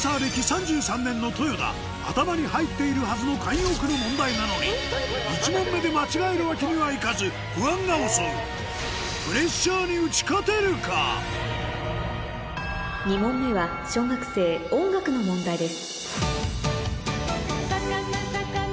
頭に入っているはずの慣用句の問題なのに１問目で間違えるわけにはいかず不安が襲う２問目は小学生音楽の問題です